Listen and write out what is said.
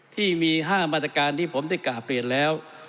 ที่มี๕มาตรการที่ผมได้กราบเรียนแล้ว